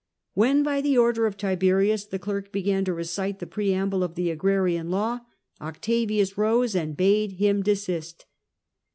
When, by the order of Tiberius, the clerk began to recite the preamble of the Agrarian Law, Octavius rose and bade him desist.